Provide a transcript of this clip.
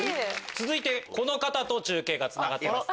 続いてこの方と中継がつながっています。